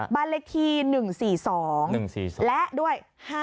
บ้านเลขที่๑๔๒และด้วย๕๗